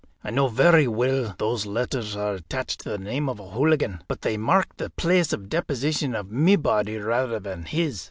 I know very weel those letters are attached to the name of O'Hooligan, but they mark the place of deposition of my body rather than his.